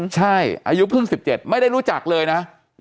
ใช่อายุเพิ่ง๑๗ไม่ได้รู้จักเลยนะไม่ได้รู้จัก